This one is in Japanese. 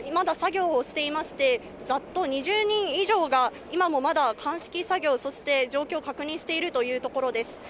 鑑識もまだ作業をしていまして、ざっと２０人以上が今もまだ鑑識作業、そして状況を確認しているというところです。